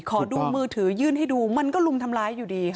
ขอดูมือถือยื่นให้ดูมันก็ลุมทำร้ายอยู่ดีค่ะ